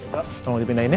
kamu dipindahin ya